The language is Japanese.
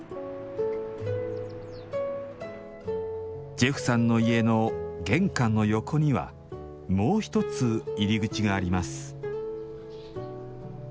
ジェフさんの家の玄関の横にはもう一つ入り口があります。